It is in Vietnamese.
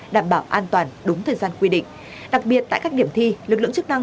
đảm bảo an toàn đúng thời gian quy định đặc biệt tại các điểm thi lực lượng chức năng